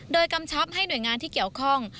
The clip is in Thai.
โดยกำชับให้หน่วยงานที่เกี่ยวข้อง